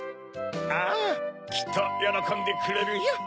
ああきっとよろこんでくれるよ。